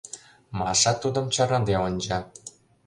Маша тудым чарныде онча.